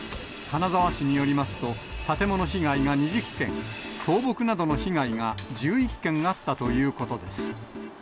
金沢市によりますと、建物被害が２０件、倒木などの被害が１１件あったということです。